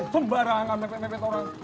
sembarang amat mepet mepet orang